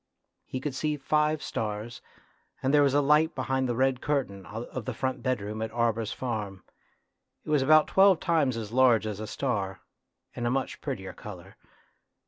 He could see five stars, and there was a light behind the red curtain of the front bedroom at Arber's farm. It was about twelve times as large as a star, and a much prettier colour.